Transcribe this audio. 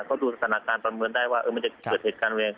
เขาดูสถานการณ์ประเมินได้ว่ามันจะเกิดเหตุการณ์อะไรอย่างนั้น